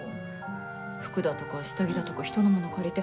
服だとか下着だとか人のもの借りて。